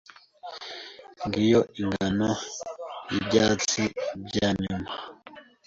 Ngiyo ingano y’ibyatsi byanyuma!